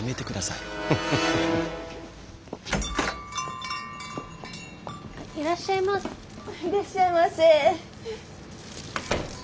いらっしゃいませ。